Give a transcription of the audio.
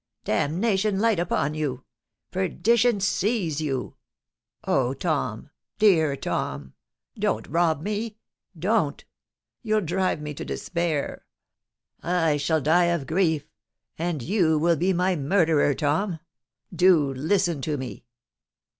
Damnation light upon you!—perdition seize you! Oh! Tom—dear Tom—don't rob me—don't! You'll drive me to despair—I shall die of grief—and you will be my murderer Tom—do listen to me!